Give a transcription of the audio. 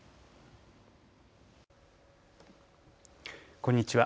こんにちは。